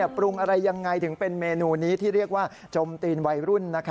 ปรุงอะไรยังไงถึงเป็นเมนูนี้ที่เรียกว่าจมตีนวัยรุ่น